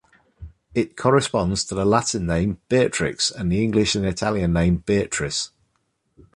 It corresponds to the Latin name Beatrix and the English and Italian name Beatrice.